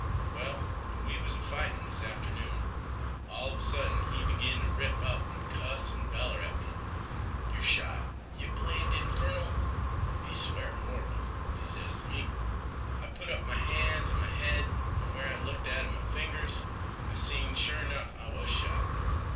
Well, when we was a fightin' this atternoon, all of a sudden he begin t' rip up an' cuss an' beller at me. 'Yer shot, yeh blamed infernal!'—he swear horrible—he ses t' me. I put up m' hand t' m' head an' when I looked at m' fingers, I seen, sure 'nough, I was shot.